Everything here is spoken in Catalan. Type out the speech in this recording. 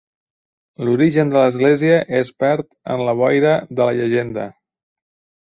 L'origen de l'església es perd en la boira de la llegenda.